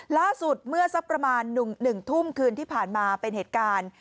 ล่าสุดเมื่อสักประมาณ๑ทุ่มคืนที่ผ่านมาเป็นเหตุการณ์